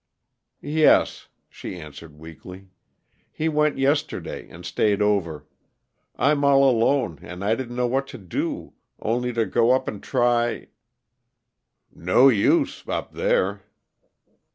"Yes," she answered weakly. "He went yesterday, and stayed over. I'm all alone, and I didn't know what to do, only to go up and try " "No use, up there."